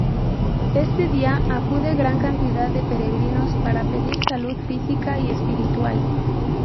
Este día acude gran cantidad de peregrinos para pedir salud física y espiritual.